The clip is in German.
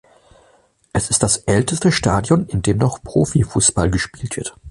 Es ist das älteste Stadion, in dem noch Profifußball gespielt wird.